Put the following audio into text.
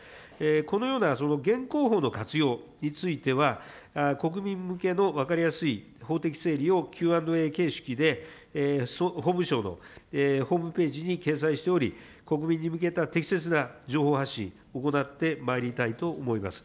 このような、現行法の活用については、国民向けの分かりやすい法的整理をＱ＆Ａ形式で、法務省のホームページに掲載しており、国民に向けた適切な情報発信、行ってまいりたいと思います。